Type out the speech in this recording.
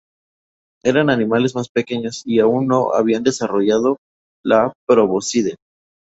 Eran animales más pequeños y aún no habían desarrollado la probóscide.